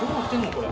これ。